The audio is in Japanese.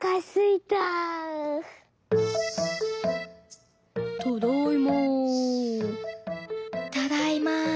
「ただいま」。